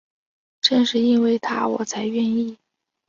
正因为是他我才愿意